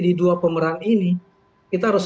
di dua pemeran ini kita harus